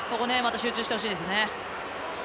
集中してほしいですね。